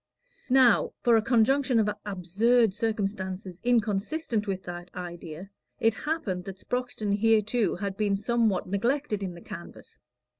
Now, for a conjunction of absurd circumstances inconsistent with that idea, it happened that Sproxton hereto had been somewhat neglected in the canvass.